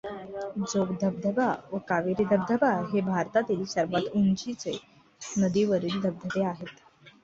जोग धबधबा व कावेरी धबधबा हे भारतातील सर्वात उंचीचे नदीवरील धबधबे आहेत.